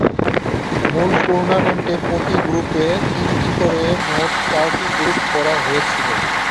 মূল টুর্নামেন্টে প্রতি গ্রুপে তিনটি করে মোট চারটি গ্রুপ করা হয়েছিল।